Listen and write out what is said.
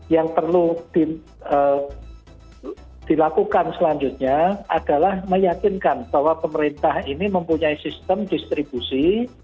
yang perlu dilakukan selanjutnya adalah meyakinkan bahwa pemerintah ini mempunyai sistem distribusi